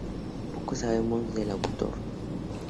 Poco sabemos del autor.